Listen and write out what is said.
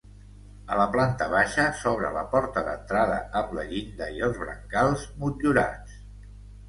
A la planta baixa s'obre la porta d'entrada amb la llinda i els brancals motllurats.